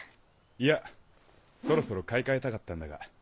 いやそろそろ買い替えたかったんだが。